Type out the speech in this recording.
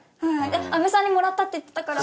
阿部さんにもらったって言ってたから。